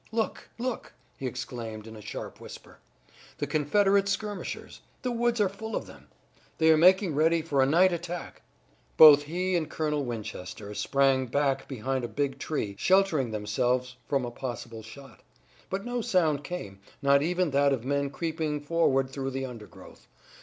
"Look! Look!" he exclaimed in a sharp whisper. "The Confederate skirmishers! The woods are full of them! They are making ready for a night attack!" Both he and Colonel Winchester sprang back behind a big tree, sheltering themselves from a possible shot. But no sound came, not even that of men creeping forward through the undergrowth.